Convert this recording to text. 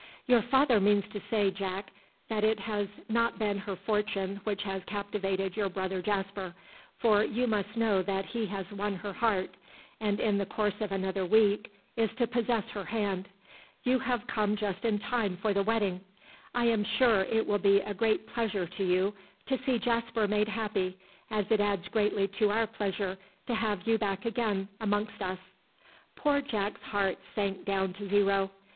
"Your father means to say, Jack, that it has not been her fortune which has captivated your brother Jasper, for you must know that he has won her heart, and in the course of another week is to possess her hand. You have just come in time for the wedding. I am sure it will be a great pleasure to you to see Jasper made happy, as it adds greatly to our pleasure to have you back again amongst us." Poor Jack's heart sank down to zero.